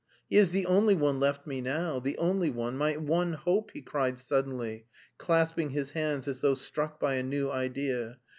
"He is the only one left me now, the only one, my one hope!" he cried suddenly, clasping his hands as though struck by a new idea.